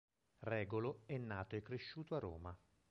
Regolo è nato e cresciuto a Roma.